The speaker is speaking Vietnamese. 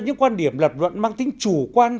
những quan điểm lập luận mang tính chủ quan